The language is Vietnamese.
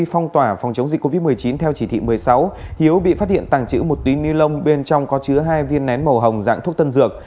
phong tỏa phòng chống dịch covid một mươi chín theo chỉ thị một mươi sáu hiếu bị phát hiện tàng trữ một túi ni lông bên trong có chứa hai viên nén màu hồng dạng thuốc tân dược